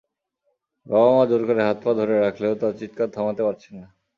বাবা-মা জোর করে হাত-পা ধরে রাখলেও তার চিৎকার থামাতে পারছেন না।